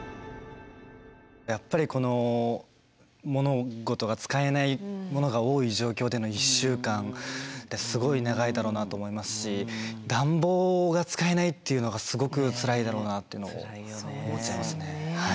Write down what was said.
やっぱりこの物事が使えないものが多い状況での１週間ってすごい長いだろうなと思いますし暖房が使えないっていうのがすごくつらいだろうなっていうのを思っちゃいますね。